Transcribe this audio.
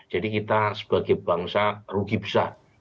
jadi kita sebagai bangsa rugi besar